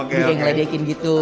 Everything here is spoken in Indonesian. lebih kayak ngeledekin gitu